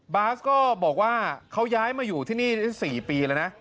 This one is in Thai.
บาสก็บอกว่าเขาย้ายมาอยู่ที่นี่ได้๔ปีแล้วนะ